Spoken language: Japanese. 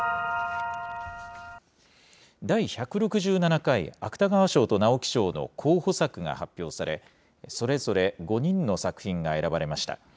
第１６７回芥川賞と直木賞の候補作が発表され、それぞれ５人の作品が選ばれました。